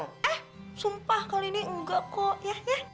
eh sumpah kali ini enggak kok yah yah